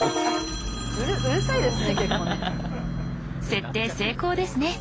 設定成功ですね。